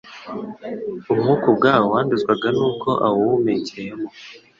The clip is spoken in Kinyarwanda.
Umwuka ubwawo wanduzwaga nuko awuhumekeyemo.